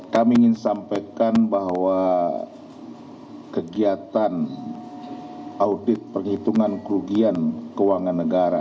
kami ingin sampaikan bahwa kegiatan audit perhitungan kerugian keuangan negara